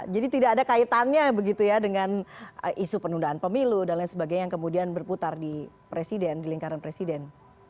jadi tidak ada kaitannya begitu ya dengan isu penundaan pemilu dan lain sebagainya yang kemudian berputar di presiden di lingkaran presiden